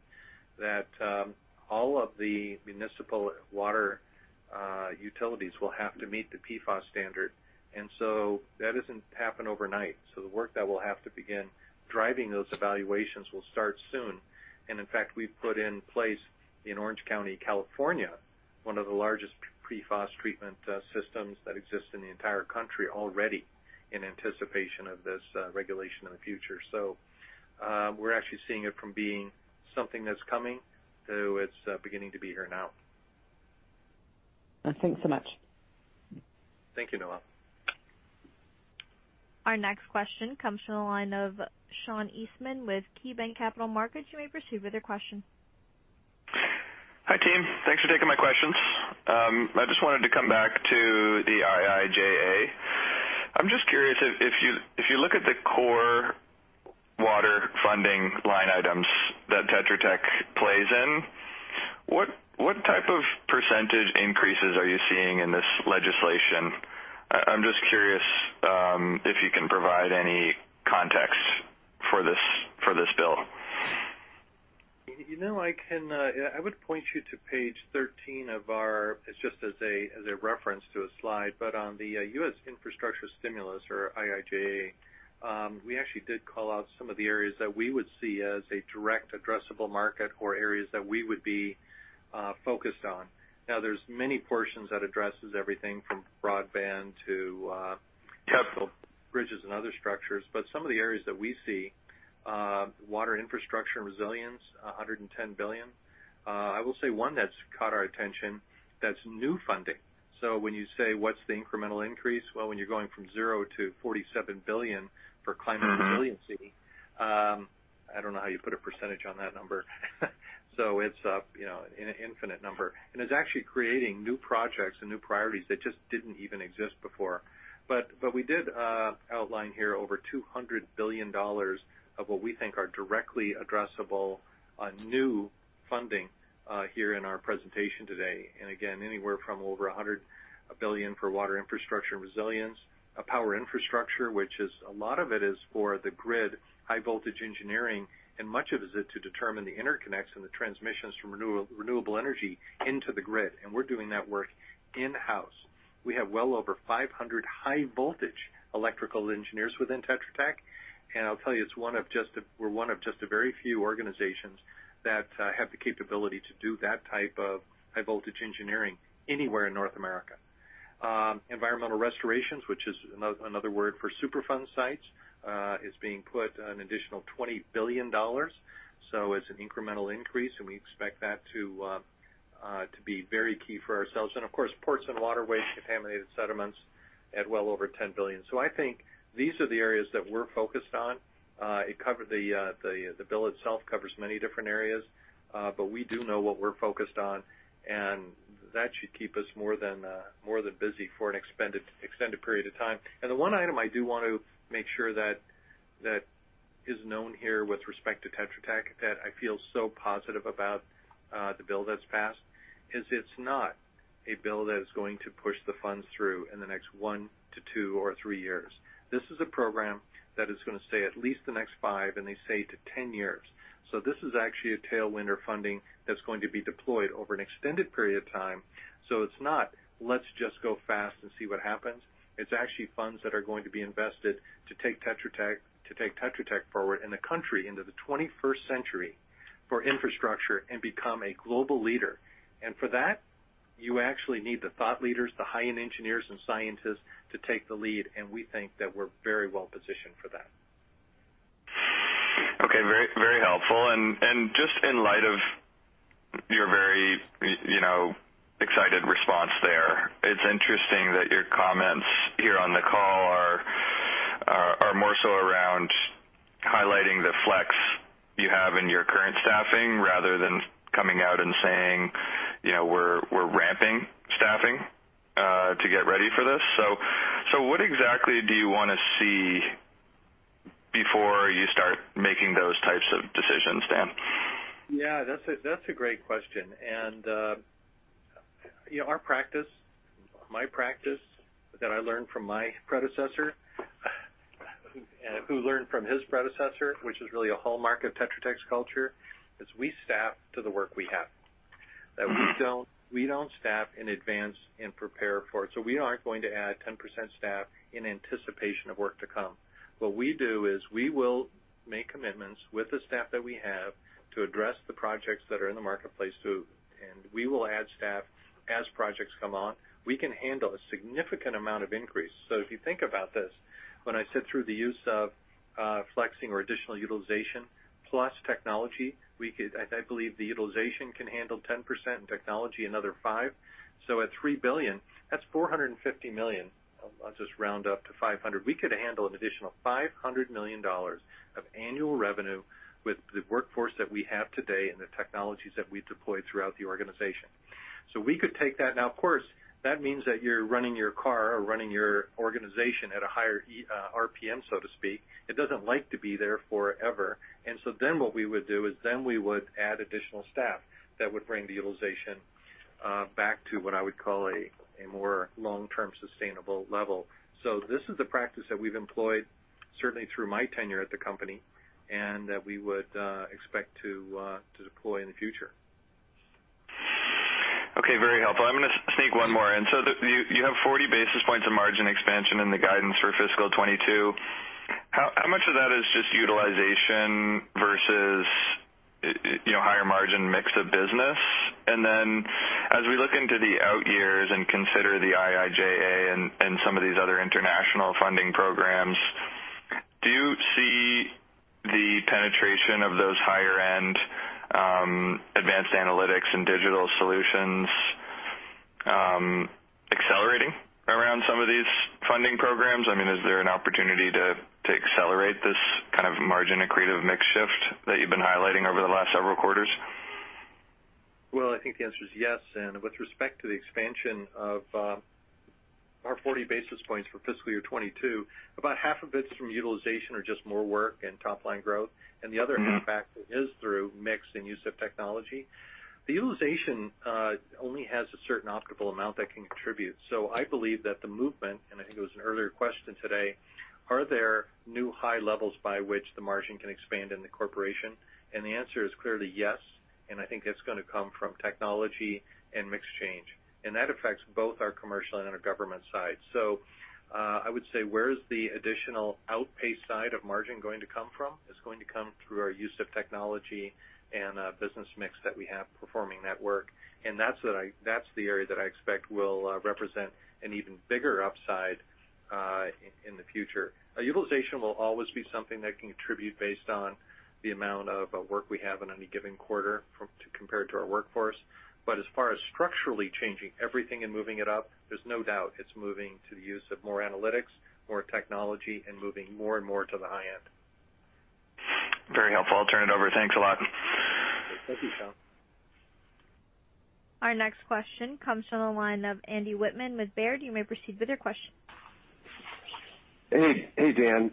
that all of the municipal water utilities will have to meet the PFAS standard. That doesn't happen overnight. The work that we'll have to begin driving those evaluations will start soon. In fact, we've put in place in Orange County, California, 1 of the largest PFAS treatment systems that exists in the entire country already in anticipation of this regulation in the future. We're actually seeing it from being something that's coming to its beginning to be here now. Thanks so much. Thank you, Noelle. Our next question comes from the line of Sean Eastman with KeyBanc Capital Markets. You may proceed with your question. Hi, team. Thanks for taking my questions. I just wanted to come back to the IIJA. I'm just curious if you look at the core water funding line items that Tetra Tech plays in, what type of percentage increases are you seeing in this legislation? I'm just curious if you can provide any context for this bill. You know, I would point you to page 13 of our. It's just as a reference to a slide. On the U.S. infrastructure stimulus or IIJA, we actually did call out some of the areas that we would see as a direct addressable market or areas that we would be focused on. Now, there's many portions that addresses everything from broadband to Yes... bridges and other structures. Some of the areas that we see, water infrastructure and resilience, $110 billion. I will say one that's caught our attention, that's new funding. When you say what's the incremental increase? Well, when you're going from zero to $47 billion for climate resiliency, I don't know how you put a percentage on that number. It's, you know, an infinite number. It's actually creating new projects and new priorities that just didn't even exist before. We did outline here over $200 billion of what we think are directly addressable, new funding, here in our presentation today. Again, anywhere from over $100 billion for water infrastructure and resilience, power infrastructure, which is a lot of it for the grid, high voltage engineering, and much of it to determine the interconnects and the transmissions from renewable energy into the grid. We're doing that work in-house. We have well over 500 high voltage electrical engineers within Tetra Tech. I'll tell you, we're one of just a very few organizations that have the capability to do that type of high voltage engineering anywhere in North America. Environmental restorations, which is another word for Superfund sites, is being put an additional $20 billion. It's an incremental increase, and we expect that to be very key for ourselves. Of course, ports and waterways, contaminated sediments at well over $10 billion. I think these are the areas that we're focused on. The bill itself covers many different areas, but we do know what we're focused on, and that should keep us more than busy for an extended period of time. The one item I do want to make sure that is known here with respect to Tetra Tech that I feel so positive about the bill that's passed is it's not a bill that is going to push the funds through in the next 1-2 or 3 years. This is a program that is going to stay at least the next 5, and they say to 10 years. This is actually a tailwind of funding that's going to be deployed over an extended period of time. It's not, let's just go fast and see what happens. It's actually funds that are going to be invested to take Tetra Tech forward and the country into the 21st century for infrastructure and become a global leader. For that, you actually need the thought leaders, the high-end engineers and scientists to take the lead, and we think that we're very well positioned for that. Okay, very, very helpful. Just in light of your very, you know, excited response there, it's interesting that your comments here on the call are more so around highlighting the flex you have in your current staffing rather than coming out and saying, you know, we're ramping staffing to get ready for this. What exactly do you wanna see before you start making those types of decisions, Dan? Yeah, that's a great question. You know, our practice, my practice that I learned from my predecessor, who learned from his predecessor, which is really a hallmark of Tetra Tech's culture, is we staff to the work we have. That we don't staff in advance and prepare for it. We aren't going to add 10% staff in anticipation of work to come. What we do is we will make commitments with the staff that we have to address the projects that are in the marketplace. We will add staff as projects come on. We can handle a significant amount of increase. If you think about this, when I said through the use of flexing or additional utilization plus technology, we could, I believe the utilization can handle 10% and technology another 5%. At $3 billion, that's $450 million. I'll just round up to $500 million. We could handle an additional $500 million of annual revenue with the workforce that we have today and the technologies that we deploy throughout the organization. We could take that. Now, of course, that means that you're running your car or running your organization at a higher RPM, so to speak. It doesn't like to be there forever. What we would do is then we would add additional staff that would bring the utilization back to what I would call a more long-term sustainable level. This is the practice that we've employed certainly through my tenure at the company, and that we would expect to deploy in the future. Okay, very helpful. I'm goimg to sneak one more in. You have 40 basis points of margin expansion in the guidance for fiscal 2022. How much of that is just utilization versus, you know, higher margin mix of business? Then as we look into the out years and consider the IIJA and some of these other international funding programs, do you see the penetration of those higher-end, advanced analytics and digital solutions, accelerating around some of these funding programs? I mean, is there an opportunity to accelerate this kind of margin accretive mix shift that you've been highlighting over the last several quarters? Well, I think the answer is yes. With respect to the expansion of our 40 basis points for fiscal year 2022, about half of it's from utilization or just more work and top line growth, and the other half actually is through mix and use of technology. The utilization only has a certain optimal amount that can contribute. I believe that the movement, and I think it was an earlier question today, are there new high levels by which the margin can expand in the corporation? The answer is clearly yes, and I think it's going to come from technology and mix change. That affects both our commercial and our government side. I would say, where is the additional upside of margin going to come from? It's going to come through our use of technology and business mix that we have performing that work. That's the area that I expect will represent an even bigger upside in the future. Utilization will always be something that can contribute based on the amount of work we have in any given quarter compared to our workforce. As far as structurally changing everything and moving it up, there's no doubt it's moving to the use of more analytics, more technology, and moving more and more to the high end. Very helpful. I'll turn it over. Thanks a lot. Thank you, Sean. Our next question comes from the line of Andrew Wittmann with Baird. You may proceed with your question. Hey. Hey, Dan.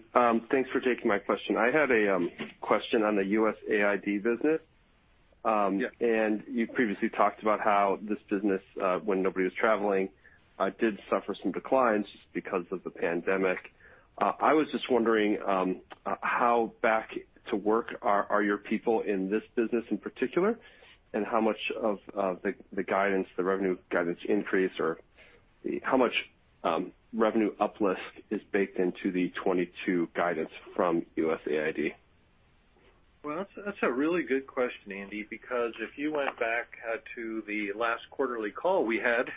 Thanks for taking my question. I had a question on the USAID business. Yeah. You previously talked about how this business, when nobody was traveling, did suffer some declines just because of the pandemic. I was just wondering how back to work are your people in this business in particular, and how much of the guidance, the revenue guidance increase or how much revenue uplift is baked into the 2022 guidance from USAID? Well, that's a really good question, Andy, because if you went back to the last quarterly call we had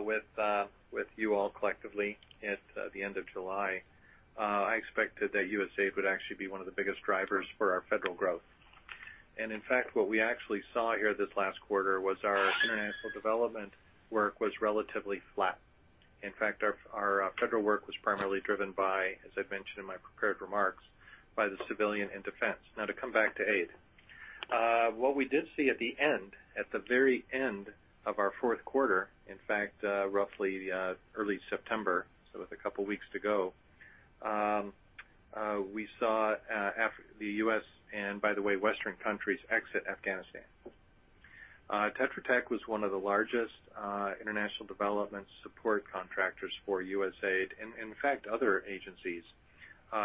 with you all collectively at the end of July, I expected that USAID would actually be one of the biggest drivers for our federal growth. In fact, what we actually saw here this last quarter was our international development work was relatively flat. In fact, our federal work was primarily driven by, as I've mentioned in my prepared remarks, by the civilian and defense. Now to come back to AID. What we did see at the end, at the very end of our Q4, in fact, roughly early September, so with a couple weeks to go, we saw the U.S. and by the way, Western countries exit Afghanistan. Tetra Tech was one of the largest international development support contractors for USAID, and in fact other agencies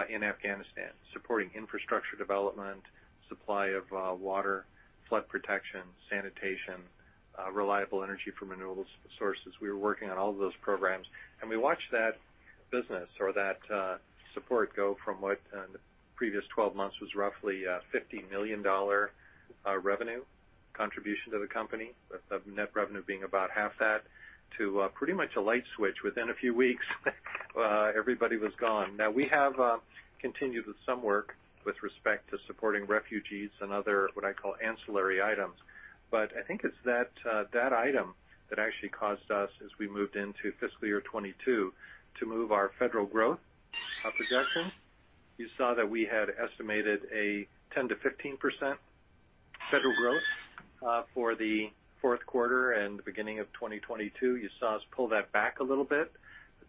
in Afghanistan, supporting infrastructure development, supply of water, flood protection, sanitation, reliable energy from renewable sources. We were working on all of those programs. We watched that business or that support go from what in the previous 12 months was roughly a $50 million revenue contribution to the company, with the net revenue being about half that, to pretty much a light switch within a few weeks, everybody was gone. Now we have continued with some work with respect to supporting refugees and other, what I call ancillary items. I think it's that item that actually caused us as we moved into fiscal year 2022 to move our federal growth projection. You saw that we had estimated a 10%-15% federal growth for the Q4 and the beginning of 2022. You saw us pull that back a little bit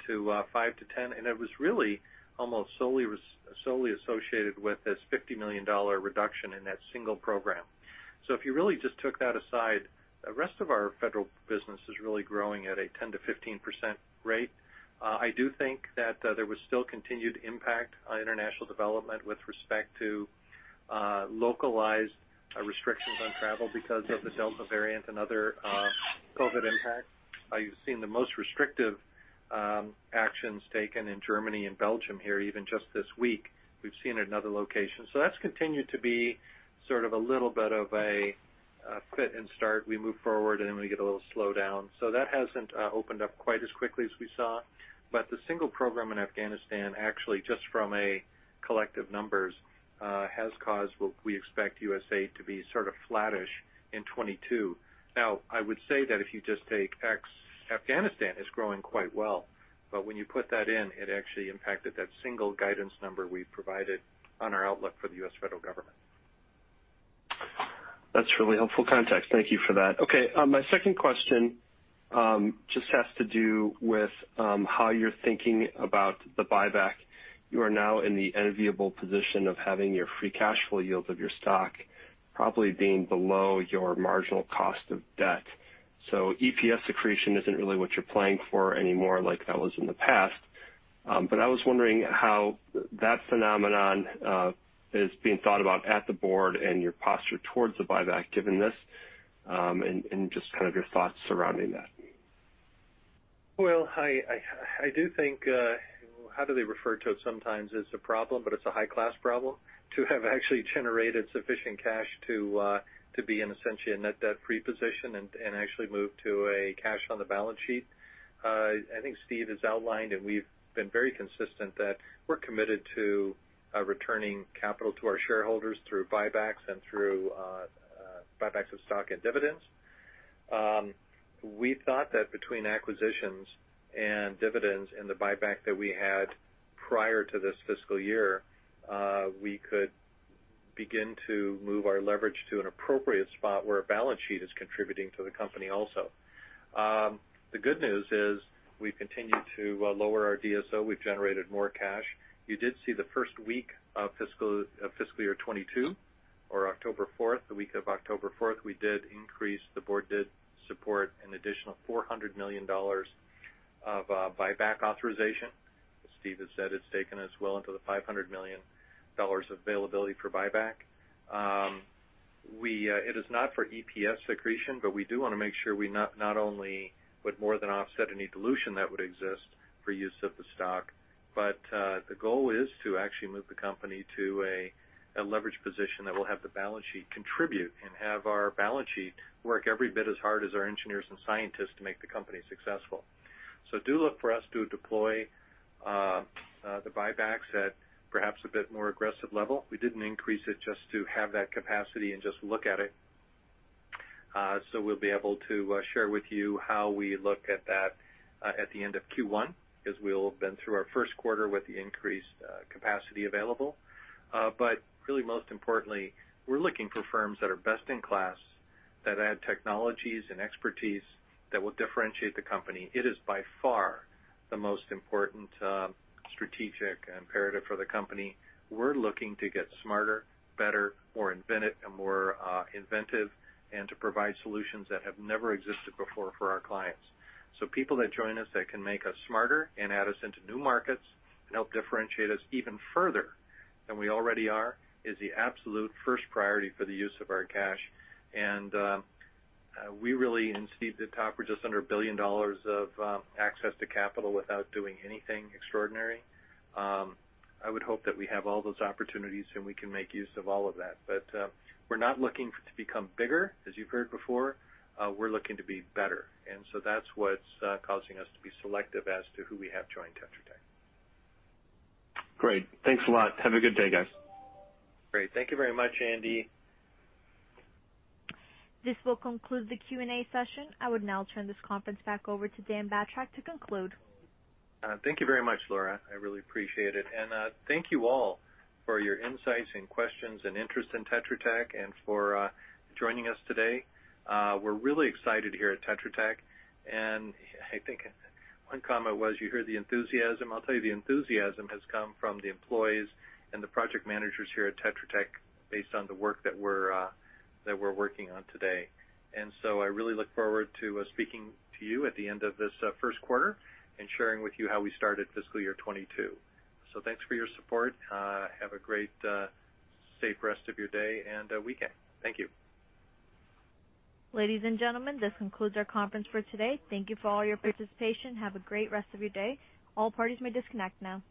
to 5% to 10%, and it was really almost solely associated with this $50 million reduction in that single program. If you really just took that aside, the rest of our federal business is really growing at a 10%-15% rate. I do think that there was still continued impact on international development with respect to localized restrictions on travel because of the Delta variant and other COVID impacts. You've seen the most restrictive actions taken in Germany and Belgium here even just this week. We've seen it in other locations. That's continued to be sort of a little bit of a fit and start. We move forward, and then we get a little slowdown. That hasn't opened up quite as quickly as we saw. The single program in Afghanistan actually just from a collective numbers has caused what we expect USAID to be sort of flattish in 2022. Now I would say that if you just take ex-Afghanistan, it's growing quite well. When you put that in, it actually impacted that single guidance number we provided on our outlook for the U.S. federal government. That's really helpful context. Thank you for that. Okay, my second question just has to do with how you're thinking about the buyback. You are now in the enviable position of having your free cash flow yield of your stock probably being below your marginal cost of debt. EPS accretion isn't really what you're playing for anymore like that was in the past. I was wondering how that phenomenon is being thought about at the board and your posture towards the buyback given this, and just kind of your thoughts surrounding that. Well, I do think how do they refer to it sometimes as a problem, but it's a high-class problem to have actually generated sufficient cash to be in essentially a net debt-free position and actually move to a cash on the balance sheet. I think Steve has outlined, and we've been very consistent that we're committed to returning capital to our shareholders through buybacks and through buybacks of stock and dividends. We thought that between acquisitions and dividends and the buyback that we had prior to this fiscal year, we could begin to move our leverage to an appropriate spot where our balance sheet is contributing to the company also. The good news is we've continued to lower our DSO. We've generated more cash. You did see the first week of fiscal year 2022 or the week of October 4, the board did support an additional $400 million of buyback authorization. As Steve has said, it's taken us well into the $500 million availability for buyback. It is not for EPS accretion, but we do wanna make sure we not only would more than offset any dilution that would exist for use of the stock, but the goal is to actually move the company to a leverage position that will have the balance sheet contribute and have our balance sheet work every bit as hard as our engineers and scientists to make the company successful. Do look for us to deploy the buybacks at perhaps a bit more aggressive level. We didn't increase it just to have that capacity and just look at it. We'll be able to share with you how we look at that at the end of Q1 as we'll have been through our first quarter with the increased capacity available. Really most importantly, we're looking for firms that are best in class that add technologies and expertise that will differentiate the company. It is by far the most important strategic imperative for the company. We're looking to get smarter, better, more inventive, and to provide solutions that have never existed before for our clients. People that join us that can make us smarter and add us into new markets and help differentiate us even further than we already are is the absolute first priority for the use of our cash. We really, and Steve did talk, we're just under $1 billion of access to capital without doing anything extraordinary. I would hope that we have all those opportunities, and we can make use of all of that. We're not looking to become bigger as you've heard before. We're looking to be better. That's what's causing us to be selective as to who we have join Tetra Tech. Great. Thanks a lot. Have a good day, guys. Great. Thank you very much, Andy. This will conclude the Q&A session. I would now turn this conference back over to Dan Batrack to conclude. Thank you very much, Laura. I really appreciate it. Thank you all for your insights and questions and interest in Tetra Tech and for joining us today. We're really excited here at Tetra Tech, and I think one comment was you hear the enthusiasm. I'll tell you, the enthusiasm has come from the employees and the project managers here at Tetra Tech based on the work that we're working on today. I really look forward to speaking to you at the end of this first quarter and sharing with you how we started fiscal year 2022. Thanks for your support. Have a great safe rest of your day and weekend. Thank you. Ladies and gentlemen, this concludes our conference for today. Thank you for all your participation. Have a great rest of your day. All parties may disconnect now.